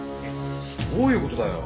どういう事だよ？